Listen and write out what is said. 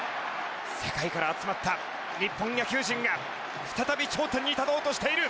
世界から集まった日本野球陣が再び頂点に立とうとしている。